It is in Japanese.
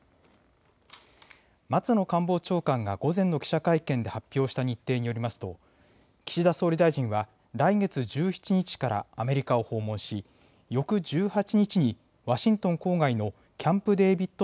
松野官房長官が午前の記者会見で発表した日程によりますと岸田総理大臣は来月１７日からアメリカを訪問し、翌１８日にワシントン郊外のキャンプ・デービッド